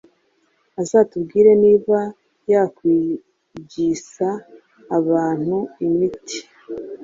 azatubwire niba ya yakwigisa abantu imiti